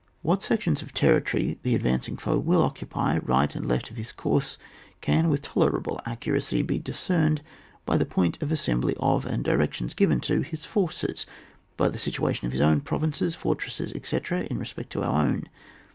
What sections of territory the advan cing foe will occupy right and left of his course, can with tolerable accuracy be discerned by the point of assembly of, and directions given toj his forces, by the situation of his own provinces, fortresses, ' etc., in respect to our own.